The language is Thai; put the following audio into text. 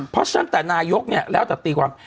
เพราะฉะนั้นแต่นายกเนี่ยแล้วแต่ตีความ